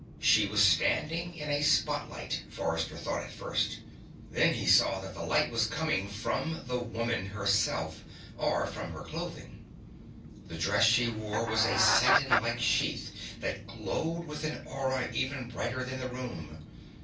She was standing in a spotlight, Forrester thought at first. Then he saw that the light was coming from the woman herself or from her clothing. The dress she wore was a satinlike sheath that glowed with an aura even brighter than the room.